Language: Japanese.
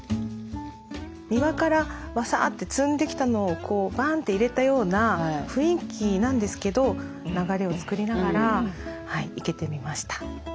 庭からワサーッて摘んできたのをバーンて入れたような雰囲気なんですけど流れを作りながら生けてみました。